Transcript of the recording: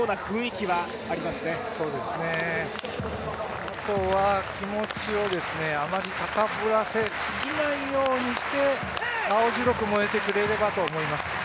気持ちはあまり高ぶらせすぎないようにして青白く燃えてくれればと思います。